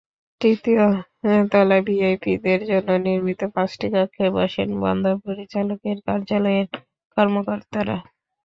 তৃতীয় তলায় ভিআইপিদের জন্য নির্মিত পাঁচটি কক্ষে বসেন বন্দর পরিচালকের কার্যালয়ের কর্মকর্তারা।